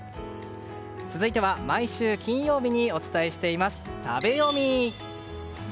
続いては毎週金曜日にお伝えしています食べヨミ。